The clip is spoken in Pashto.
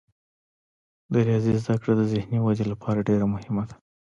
د ریاضي زده کړه د ذهني ودې لپاره ډیره مهمه ده.